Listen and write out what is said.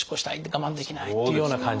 我慢できない！っていうような感じ。